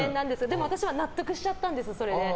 でも私は納得しちゃったんですそれで。